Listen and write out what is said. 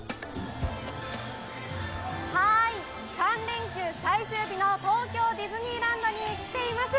３連休最終日の東京ディズニーランドに来ています。